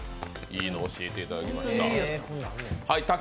いいものを教えていただきました。